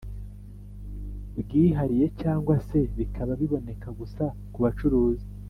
Bwihariye cyangwa se bikaba biboneka gusa ku bacuruzi